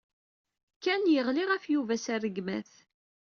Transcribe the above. Ken yeɣli ɣef Yuba s rregmat.